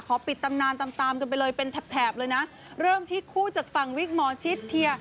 ปิดตำนานตามตามกันไปเลยเป็นแถบแถบเลยนะเริ่มที่คู่จากฝั่งวิกหมอชิดเทีย